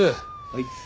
はい。